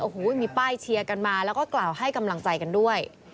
โอ้โหมีป้ายเชียร์กันมาแล้วก็กล่าวให้กำลังใจกันด้วย